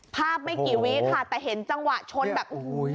ภาพไม่กี่วิคค่ะแต่เห็นจังหวะชนแบบ